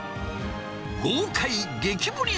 豪快激盛り